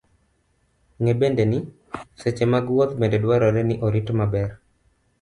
Ng'e bende ni, seche mag wuoth bende dwarore ni orit maber.